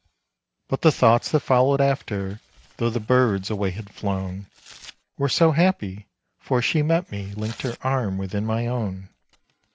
But the thoughts that followed after, though the birds away had flown, Were so happy, for she met me, linked her arm within my own.